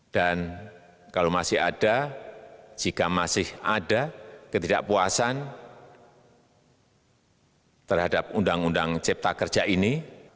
dan kalau masih ada jika masih ada ketidakpuasan terhadap undang undang cipta kerja ini